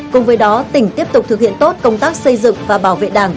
cùng với đó tỉnh tiếp tục thực hiện tốt công tác xây dựng và bảo vệ đảng